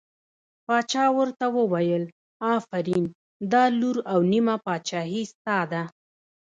باچا ورته وویل آفرین دا لور او نیمه پاچهي ستا ده.